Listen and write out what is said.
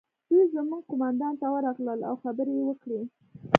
دوی زموږ قومندان ته ورغلل او خبرې یې وکړې